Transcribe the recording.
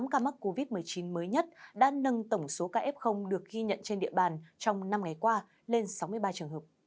một mươi ca mắc covid một mươi chín mới nhất đã nâng tổng số ca f được ghi nhận trên địa bàn trong năm ngày qua lên sáu mươi ba trường hợp